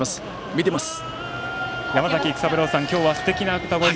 見てます！